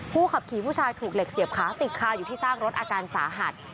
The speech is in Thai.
ขับขี่ผู้ชายถูกเหล็กเสียบขาติดคาอยู่ที่ซากรถอาการสาหัส